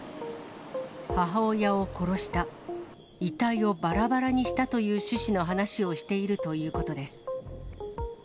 母親を殺した、遺体をばらばらにしたという趣旨の話をしているということです。